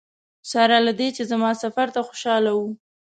سره له دې چې زما سفر ته خوشاله وه.